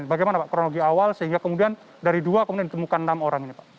bagaimana pak kronologi awal sehingga kemudian dari dua kemudian ditemukan enam orang ini pak